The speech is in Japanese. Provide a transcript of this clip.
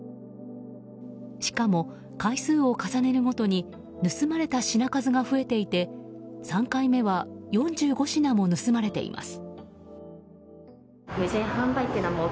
しかも、回数を重ねるごとに盗まれた品数が増えていて３回目は４５品も盗まれています。